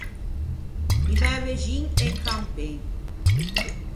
I mæ vexin en campen.